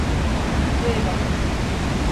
sveda